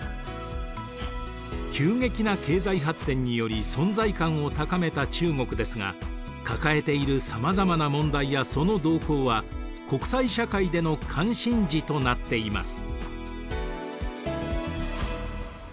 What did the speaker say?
急激な経済発展により存在感を高めた中国ですが抱えているさまざまな問題やその動向は国際社会での関心事となっています。